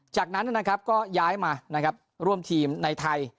จากนั้นนะครับก็ย้ายมานะครับร่วมทีมในไทย